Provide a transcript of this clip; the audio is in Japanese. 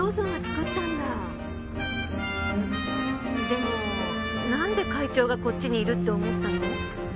でもなんで会長がこっちにいるって思ったの？